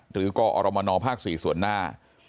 หรือกอรมนภาค๔ส่วนหน้า